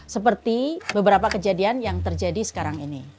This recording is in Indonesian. seperti beberapa kejadian yang terjadi sekarang ini